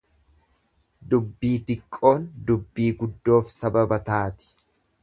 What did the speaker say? Dubbii diqqoon dubbii guddoof sababa taati.